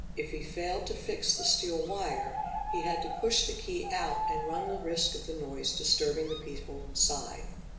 If he failed to fix the steel wire, he had to push the key out and run the risk of the noise disturbing the people inside.